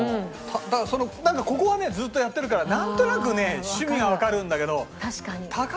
だからそのなんかここはねずっとやってるからなんとなくね趣味がわかるんだけど。